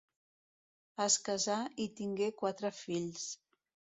Es casà i tingué quatre fills.